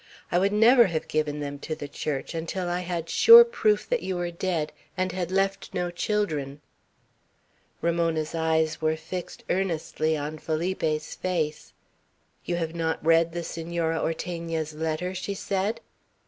I would never have given them to the Church, until I had sure proof that you were dead and had left no children." Ramona's eyes were fixed earnestly on Felipe's face. "You have not read the Senora Ortegna's letter?" she said.